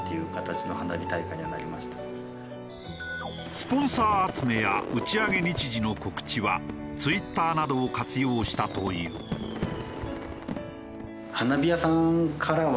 スポンサー集めや打ち上げ日時の告知はＴｗｉｔｔｅｒなどを活用したという。っていう印象はありますね。